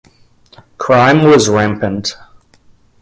Crime was rampant.